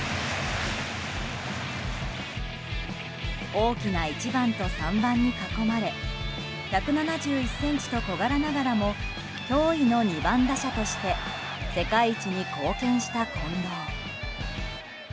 大きな１番と３番に囲まれ１７１ｃｍと小柄ながらも驚異の２番打者として世界一に貢献した近藤。